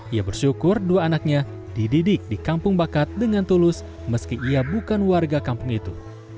ia bersyukur dua anaknya dididik di kampung bakat dengan tulus meski ia bukan warga kampung itu